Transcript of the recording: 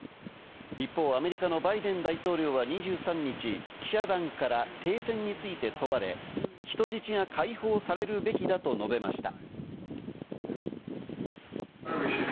一方、アメリカのバイデン大統領は２３日、記者団から停戦について問われ、人質が解放されるべきだと述べました。